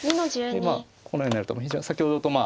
でこのようになると非常に先ほどと似てて。